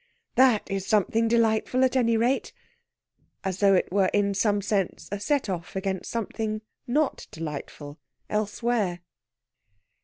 that is something delightful, at any rate"? As though it were in some sense a set off against something not delightful elsewhere.